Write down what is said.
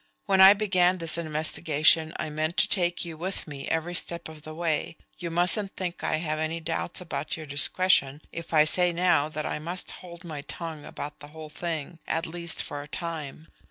"When I began this investigation I meant to take you with me every step of the way. You mustn't think I have any doubts about your discretion if I say now that I must hold my tongue about the whole thing, at least for a time.